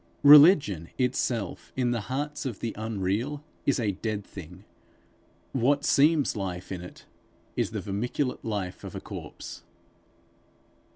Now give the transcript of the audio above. Religion itself in the hearts of the unreal, is a dead thing; what seems life in it, is the vermiculate life of a corpse.